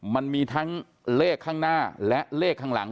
มันมีทั้งเลขข้างหน้าและเลขข้างหลัง